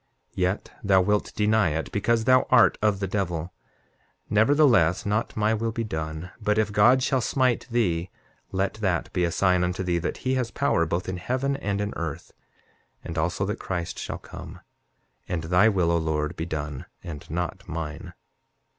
Yet thou wilt deny it, because thou art of the devil. Nevertheless, not my will be done; but if God shall smite thee, let that be a sign unto thee that he has power, both in heaven and in earth; and also, that Christ shall come. And thy will, O Lord, be done, and not mine.